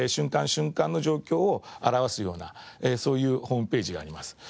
瞬間の状況を表すようなそういうホームページがあります。